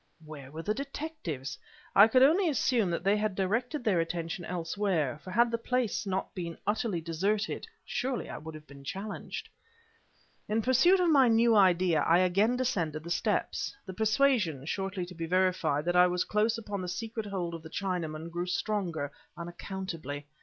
Where were the detectives? I could only assume that they had directed their attention elsewhere, for had the place not been utterly deserted, surely I had been challenged. In pursuit of my new idea, I again descended the steps. The persuasion (shortly to be verified) that I was close upon the secret hold of the Chinaman, grew stronger, unaccountably.